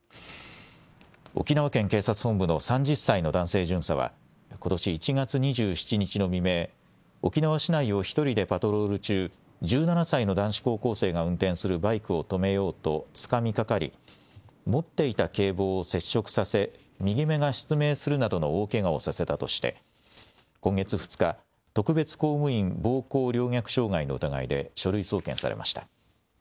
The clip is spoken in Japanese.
沖縄県警察本部の３０歳の男性巡査は、ことし１月２７日の未明、沖縄市内を１人でパトロール中、１７歳の男子高校生が運転するバイクを止めようとつかみかかり、持っていた警棒を接触させ、右目が失明するなどの大けがをさせたとして、今月２日、特別公務員暴行陵虐障害の疑いで書類送検されました。